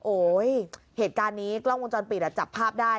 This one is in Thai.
โอ้ยเหตุการณ์นี้กล้องวงจรปิดจับภาพได้